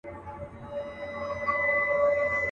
په دې ښار کي له پوړني د حیا قانون جاري وو.